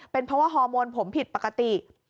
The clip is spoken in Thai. เป็นเพราะว่าฮอร์โมนผมผิดปกติ